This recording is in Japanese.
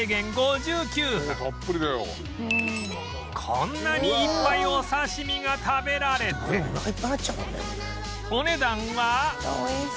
こんなにいっぱいお刺身が食べられてお値段は